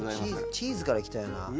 チーズから行きたいな。